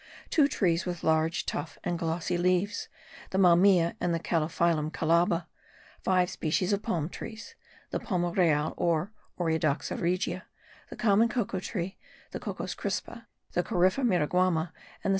Two trees with large, tough, and glossy leaves, the Mammea and the Calophyllum calaba, five species of palm trees (the palma real, or Oreodoxa regia, the common cocoa tree, the Cocos crispa, the Corypha miraguama and the C.